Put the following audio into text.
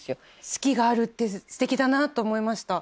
好きがあるって素敵だなと思いました。